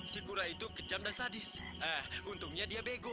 si kura itu kejam dan sadis untungnya dia bego